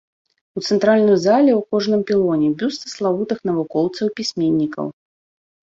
У цэнтральным зале ў кожным пілоне бюсты славутых навукоўцаў і пісьменнікаў.